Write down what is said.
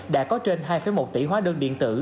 đã có trên hai một tỷ hóa đơn điện tử